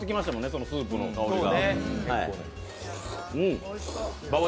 そのスープの香りが。